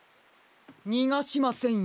にがしませんよ。